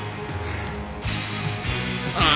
ああ。